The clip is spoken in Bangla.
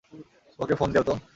ওকে ফোন দেও তো।